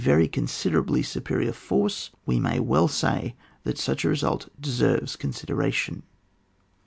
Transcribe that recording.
very coneiderablj superior force, we may weU say that such a result deserves con sideration.